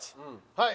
はい。